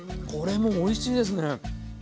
これもおいしいですね。